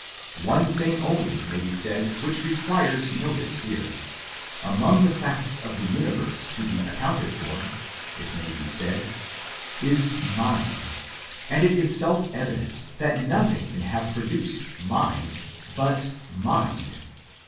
One thing only may be said which requires notice here. Among the facts of the universe to be accounted for, it may be said, is Mind ; and it is self evident that nothing can have produced Mind but Mind.